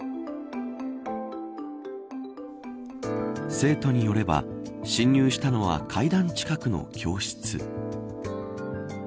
生徒によれば侵入したのは階段近くの教室。